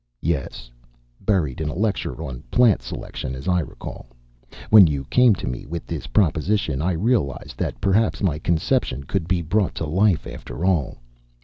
"Yes, buried in a lecture on plant selection, as I recall. When you came to me with this proposition I realized that perhaps my conception could be brought to life, after all.